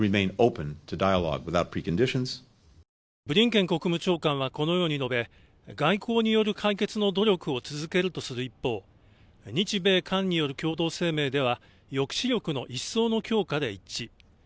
ブリンケン国務長官はこのように述べ、外交による解決の努力を続けるとする一方、日米韓による共同声明では、抑止力の一層の強化で一致。